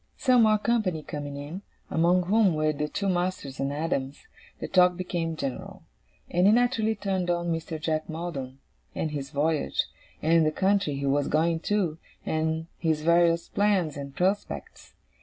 Some more company coming in, among whom were the two masters and Adams, the talk became general; and it naturally turned on Mr. Jack Maldon, and his voyage, and the country he was going to, and his various plans and prospects.